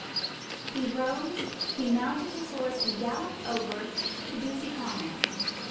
He rose, he mounted his horse, and galloped over to Ducie Common.